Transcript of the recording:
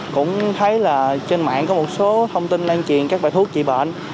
cũng thấy là trên mạng có một số thông tin lan truyền các bài thuốc trị bệnh